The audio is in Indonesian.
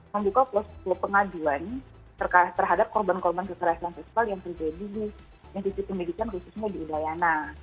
membuka plus pengaduan terhadap korban korban kekerasan seksual yang terjadi di institusi pendidikan khususnya di udayana